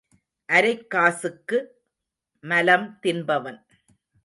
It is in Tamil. அரைக் காசுக்கு மலம் தின்பவன்.